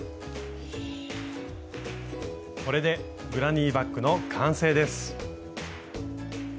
これでグラニーバッグの完成です。